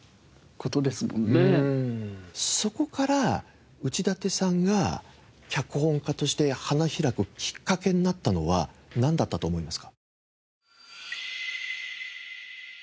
そこから内館さんが脚本家として花開くキッカケになったのはなんだったと思いますか？